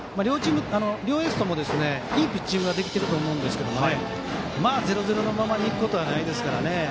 両エースとも、いいピッチングができていると思うんですけどもまあ、０−０のままでいくことはないですからね。